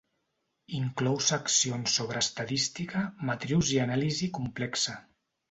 Inclou seccions sobre estadística, matrius i anàlisi complexa.